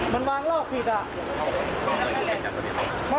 อ๋อมันวางเลิกผิดอ่ะ